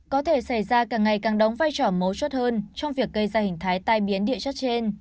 có thể xảy ra càng ngày càng đóng vai trò mấu chốt hơn trong việc gây ra hình thái tai biến địa chất trên